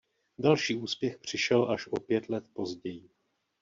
Další úspěch přišel až o pět let později.